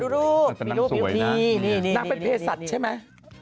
ขอดูรูปนางเป็นเพศสัตว์ใช่ไหม